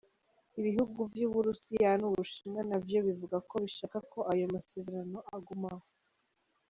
Ibihugu vy'Uburusiya n'Ubushinwa navyo bivuga ko bishaka ko ayo masezerano agumaho.